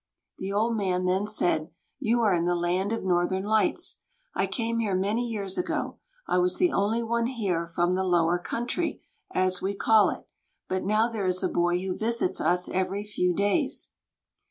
The old man then said: "You are in the land of Northern Lights. I came here many years ago. I was the only one here from the 'Lower Country,' as we call it; but now there is a boy who visits us every few days."